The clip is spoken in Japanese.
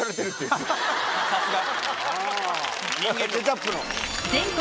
さすが。